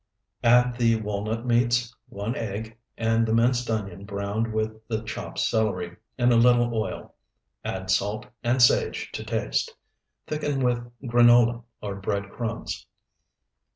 Add the walnut meats, one egg, and the minced onion browned with the chopped celery in a little oil. Add salt and sage to taste. Thicken with granola or bread crumbs.